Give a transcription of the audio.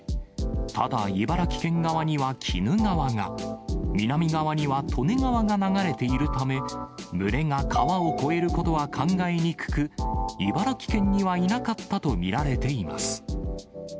ただ、茨城県側には鬼怒川が、南側には利根川が流れているため、群れが川を越えることは考えにくく、茨城県にはいなかったと見られています。